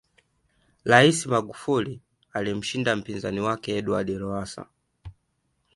raisi magufuli alimshinda mpinzani wake edward lowasa